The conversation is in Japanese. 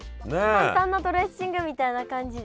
簡単なドレッシングみたいな感じで。